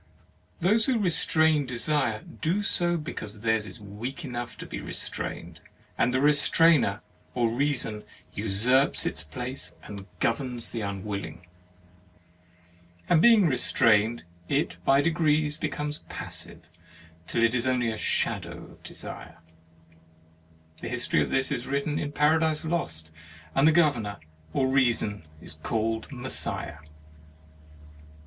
Those who restrain desire, do so because theirs is weak enough to be restrained; and the restrainer or reason usurps its place and governs the unwilling. And being restrained, it by degrees becomes passive, till it is only the shadow of desire. The history of this is written in Paradise Lost, and the Governor or Reason is called Messiah.